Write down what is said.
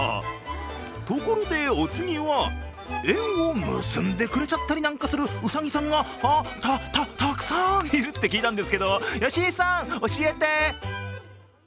ところでお次は、縁を結んでくれちゃったりなんかするうさぎさんがたくさんいるって聞いたんですけど、よしいさん、教えて！